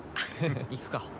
行くか。